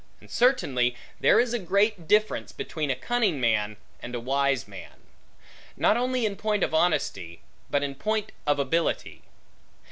And certainly there is a great difference, between a cunning man, and a wise man; not only in point of honesty, but in point of ability.